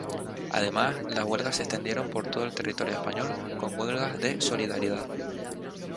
Además, las huelgas se extendieron por todo el territorio español con huelgas de solidaridad.